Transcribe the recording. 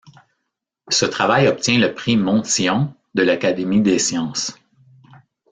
Ce travail obtient le prix Montyon de l’Académie des sciences.